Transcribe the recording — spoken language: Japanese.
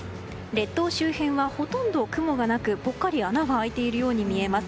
列島周辺はほとんど雲がなくぽっかり穴が開いているように見えます。